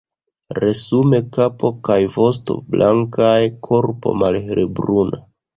Resume kapo kaj vosto blankaj, korpo malhelbruna.